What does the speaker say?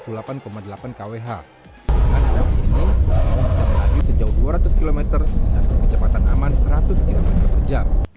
dengan ada begini maung bisa menuju sejauh dua ratus km dan kecepatan aman seratus km per jam